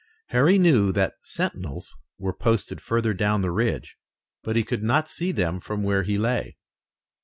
Harry knew that sentinels were posted further down the ridge, but he could not see them from where he lay.